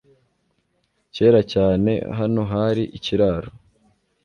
Kera cyane, hano hari ikiraro .